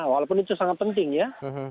walaupun itu sangat penting ya